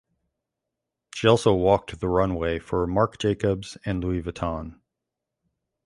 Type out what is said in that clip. She also walked the runway for Marc Jacobs and Louis Vuitton.